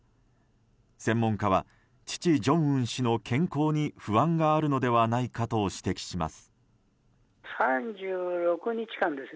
専門家は父・正恩氏の健康に不安があるのではないかと指摘します。